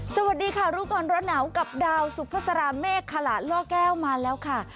สวัสดีค่ะรู้ก่อนร้อนหนาวกับดาวสุภาษาเมฆขลาล่อแก้วมาแล้วค่ะ